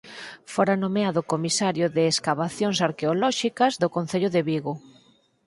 Fora nomeado comisario de escavacións arqueolóxicas do concello de Vigo.